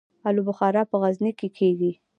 الو بخارا په غزني کې کیږي